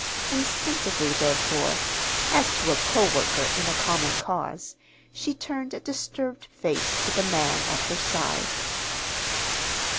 Instinctively, therefore, as to a coworker in a common cause, she turned a disturbed face to the man at her side.